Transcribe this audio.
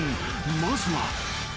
［まずは］